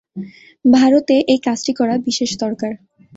ভারতে এই কাজটি করা বিশেষ দরকার।